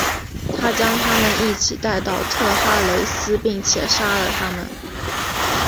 他将他们一起带到特哈雷斯并且杀了他们。